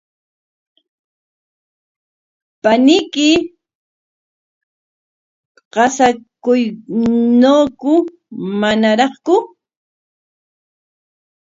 ¿Paniyki qusayuqñaku manaraqku?